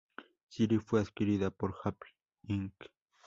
Siri fue adquirida por Apple Inc.